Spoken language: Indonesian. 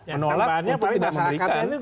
menolak untuk tidak memberikan